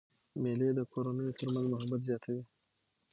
مېلې د کورنیو تر منځ محبت زیاتوي.